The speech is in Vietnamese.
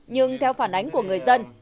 nhưng theo phản ánh của người dân